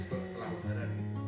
pemilik rumah penyalur indonesia